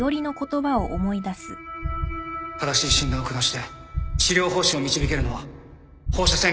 正しい診断を下して治療方針を導けるのは放射線科医の先生です